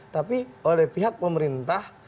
tapi oleh pihak pemerintah